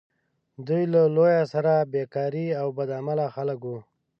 دوی له لویه سره بیکاره او بد عمله خلک وه.